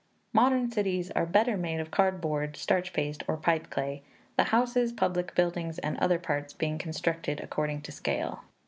Modern cities are better made of cardboard, starch paste, or pipe clay; the houses, public buildings, and other parts being constructed according to scale.